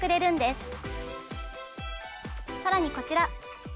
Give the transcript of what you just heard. さらにこちら。